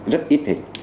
rất ít hình